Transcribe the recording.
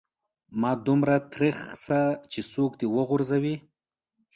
مه دومره تريخ سه چې څوک دي و غورځوي.